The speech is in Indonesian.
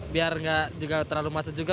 biar nggak juga terlalu macet juga